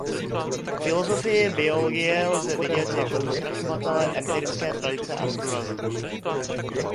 Filosofii biologie lze vidět jako pokračovatele empirické tradice a naturalismu.